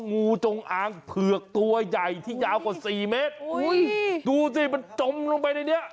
งูจงอางเผือกตัวใหญ่ที่ยาวกว่าสี่เมตรอุ้ยดูสิมันจมลงไปในเนี้ย